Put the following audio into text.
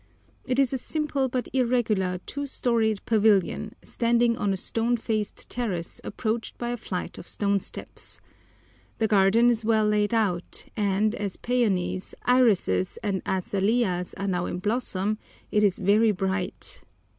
It is a simple but irregular two storied pavilion, standing on a stone faced terrace approached by a flight of stone steps. The garden is well laid out, and, as peonies, irises, and azaleas are now in blossom, it is very bright.